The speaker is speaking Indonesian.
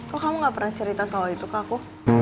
kok kamu gak pernah cerita soal itu ke aku